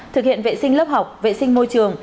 thực hiện vệ sinh lớp học vệ sinh môi trường